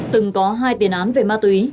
từng có hai tiền án về ma túy